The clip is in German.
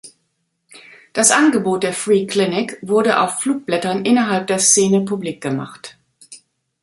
Das Angebot der Free Clinic wurde auf Flugblättern innerhalb der Szene publik gemacht.